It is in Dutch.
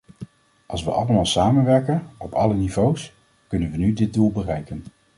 Als we allemaal samenwerken, op alle niveaus, kunnen we nu dit doel bereiken.